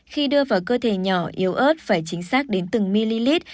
khi đưa vào cơ thể nhỏ yếu ớt phải chính xác đến từng ml